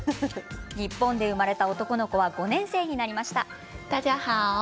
日本で生まれた男の子は５年生になりました。